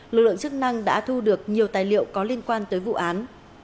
lực lượng chức năng đã thu được nhiều tài liệu có liên quan tới vụ án